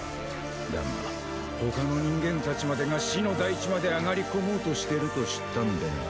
だが他の人間たちまでが死の大地まで上がり込もうとしてると知ったんでな。